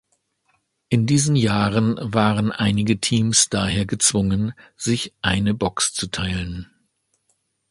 In diesen Jahren waren einige Teams daher gezwungen, sich eine Box zu teilen.